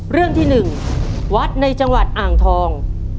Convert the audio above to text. เรื่องที่๑วัดในจังหวัดอ่างทอง